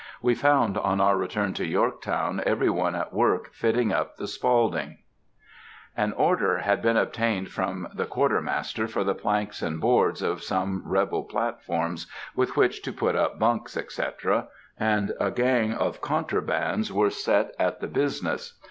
We found on our return to Yorktown every one at work fitting up the Spaulding. An order had been obtained from the Quartermaster for the planks and boards of some rebel platforms, with which to put up bunks, etc., and a gang of contrabands were set at the business.